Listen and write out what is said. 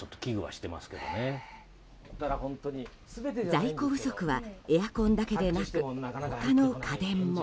在庫不足はエアコンだけでなく他の家電も。